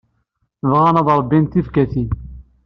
Bɣan ad ṛebbint tibekkatin.